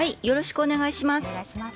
よろしくお願いします。